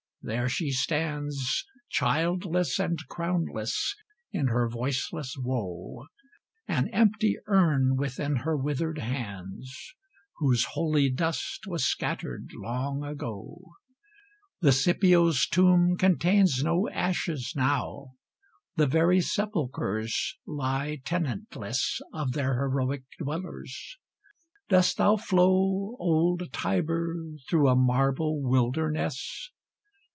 there she stands, Childless and crownless, in her voiceless woe; An empty urn within her withered hands, Whose holy dust was scattered long ago: The Scipios' tomb contains no ashes now; The very sepulchres lie tenantless Of their heroic dwellers: dost thou flow, Old Tiber! through a marble wilderness?